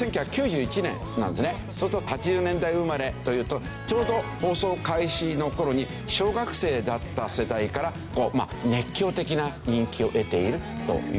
そうすると８０年代生まれというとちょうど放送開始の頃に小学生だった世代から熱狂的な人気を得ているというわけですね。